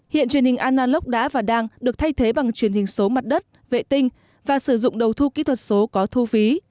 hiện truyền hình analog đã và đang được thay thế bằng truyền hình số mặt đất vệ tinh và sử dụng đầu thu kỹ thuật số có thu phí